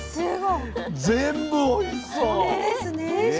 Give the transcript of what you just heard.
全部おいしそう。ね定食